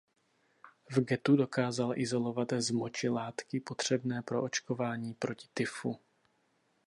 V ghettu dokázal izolovat z moči látky potřebné pro očkování proti tyfu.